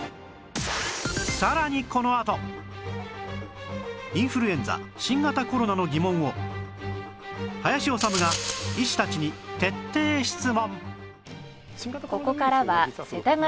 さらにこのあとインフルエンザ新型コロナの疑問を林修が医師たちに徹底質問！